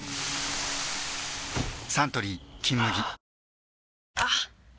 サントリー「金麦」あっ！